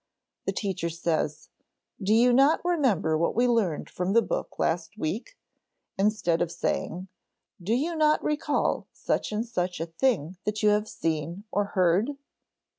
The teacher says, "Do you not remember what we learned from the book last week?" instead of saying, "Do you not recall such and such a thing that you have seen or heard?"